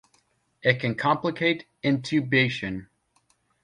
It can complicate intubation.